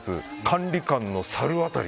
管理官の猿渡